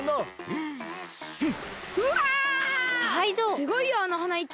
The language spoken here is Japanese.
すごいよあのはないき。